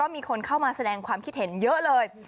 มีคนเข้ามาแสดงความคิดเห็นเยอะเลย